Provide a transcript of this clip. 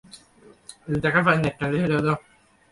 সংক্ষেপে কেউ তাকে বলে কুমার মুখো, কেউ বলে মার মুখো!